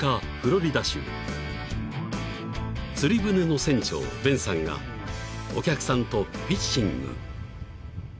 ［釣り舟の船長ベンさんがお客さんとフィッシング］